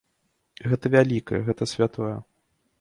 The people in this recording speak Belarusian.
Гэта вялікае, гэта святое.